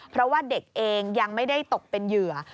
เพราะว่าเด็กเองยังไม่ได้ตกเป็นเหยื่อ